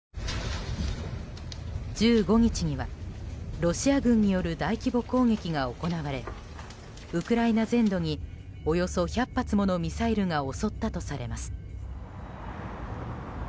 １５日にはロシア軍による大規模攻撃が行われウクライナ全土におよそ１００発ものミサイルが襲ったとされます。